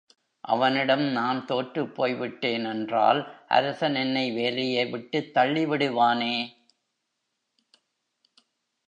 அவனிடம் நான் தோற்றுப்போய் விட்டேன் என்றால் அரசன் என்னை வேலையை விட்டுத் தள்ளிவிடுவானே!